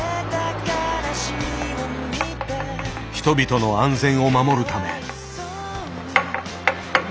人々の安全を守るため。